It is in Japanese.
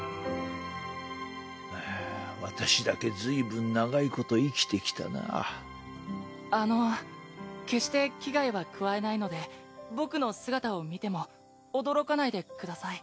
あぁ私だけ随分長いこと生きてき・あの決して危害は加えないので・僕の姿を見ても驚かないでください